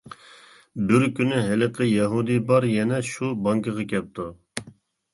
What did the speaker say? بىر كۈنى ھېلىقى يەھۇدىي بار يەنە شۇ بانكىغا كەپتۇ.